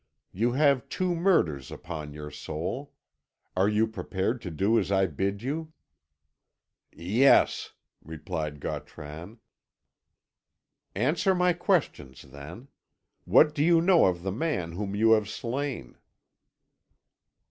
You have two murders upon your soul. Are you prepared to do as I bid you?" "Yes," replied Gautran. "Answer my questions, then. What do you know of the man whom you have slain?"